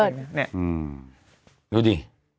ดูดิ